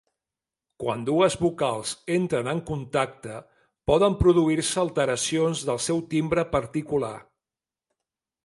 Quan dues vocals entren en contacte poden produir-se alteracions del seu timbre particular.